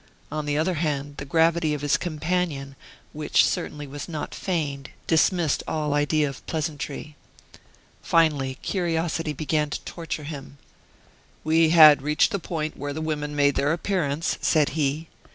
On the other hand, the gravity of his companion, which certainly was not feigned, dismissed all idea of pleasantry. Finally, curiosity began to torture him. "We had reached the point where the women made their appearance," said he.